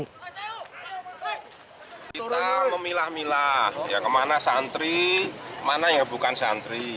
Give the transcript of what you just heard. kita memilah milah kemana santri mana yang bukan santri